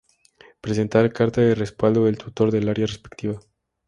Presentar carta de respaldo del tutor del área respectiva.